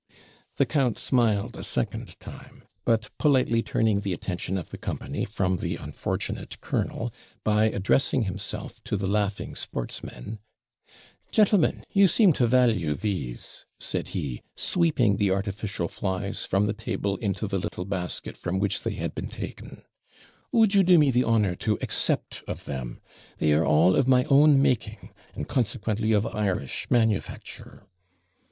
The count smiled a second time; but politely turning the attention of the company from the unfortunate colonel by addressing himself to the laughing sportsmen, 'Gentlemen, you seem to value these,' said he, sweeping the artificial flies from the table into the little basket from which they had been taken; 'would you do me the honour to accept of them? They are all of my own making, and consequently of Irish manufacture.'